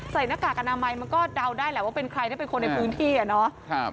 หน้ากากอนามัยมันก็เดาได้แหละว่าเป็นใครถ้าเป็นคนในพื้นที่อ่ะเนาะ